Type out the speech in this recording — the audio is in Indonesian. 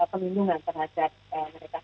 pembindungan terhadap mereka